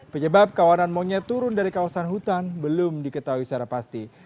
penyebab kawanan monyet turun dari kawasan hutan belum diketahui secara pasti